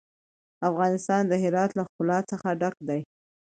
افغانستان د هرات له ښکلا څخه ډک دی.